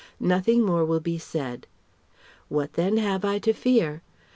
nothing more will be said. What, then, have I to fear?